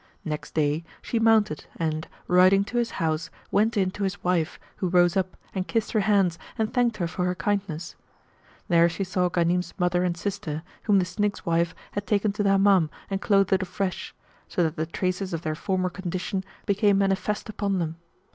Next day, she mounted and, riding to his house, went in to his wife who rose up and kissed her hands and thanked her for her kindness. There she saw Ghanim's mother and sister whom the Syndic's wife had taken to the Hammam and clothed afresh, so that the traces of their former condition became manifest upon them.